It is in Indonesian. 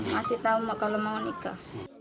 masih tahu mbak kalau mau nikah